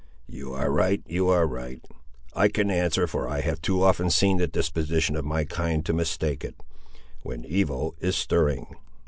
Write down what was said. "You are right, you are right. I can answer, for I have too often seen the disposition of my kind to mistake it, when evil is stirring.